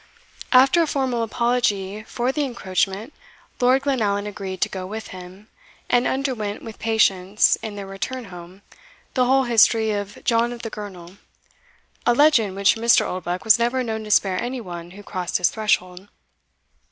After a formal apology for the encroachment, Lord Glenallan agreed to go with him, and underwent with patience in their return home the whole history of John of the Girnel, a legend which Mr. Oldbuck was never known to spare any one who crossed his threshold.